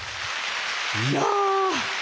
いや！